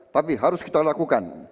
tapi harus kita lakukan